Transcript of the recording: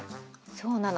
そうなの。